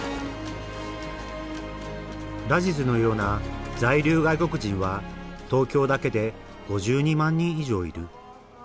ラジズのような在留外国人は東京だけで５２万人以上いる。